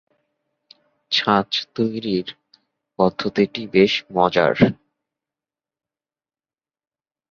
ছাঁচ তৈরির পদ্ধতি টি বেশ মজার।